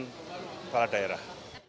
dan para daerah